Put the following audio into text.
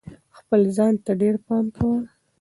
خپل ځان ته ډېر پام کوه.